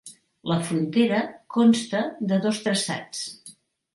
La frontera consta de dos traçats.